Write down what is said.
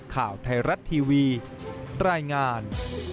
ข่าวไทยรัฐทีวีรายงาน